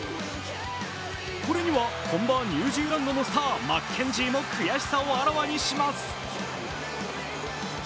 これには本場・ニュージーランドのスター、マッケンジーも悔しさをあらわにします。